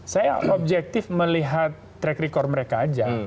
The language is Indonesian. saya objektif melihat track record mereka aja